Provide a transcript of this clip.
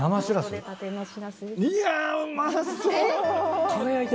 いやうまそう！